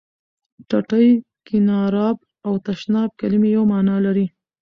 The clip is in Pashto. ټټۍ، کېناراب او تشناب کلمې یوه معنا لري.